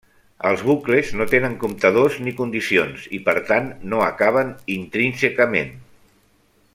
Els bucles no tenen comptadors ni condicions, i, per tant, no acaben intrínsecament.